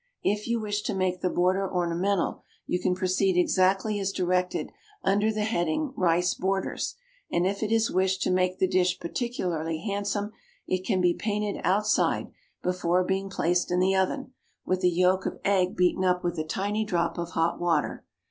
If you wish to make the border ornamental, you can proceed exactly as directed under the heading Rice Borders, and if it is wished to make the dish particularly handsome, it can be painted outside, before being placed in the oven, with a yolk of egg beaten up with a tiny drop of hot water.